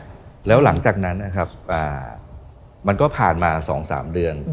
แล้วหลังจากนั้นนะครับอ่ามันก็ผ่านมาสองสามเดือน